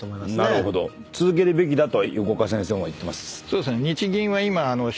続けるべきだと五箇先生も言ってます。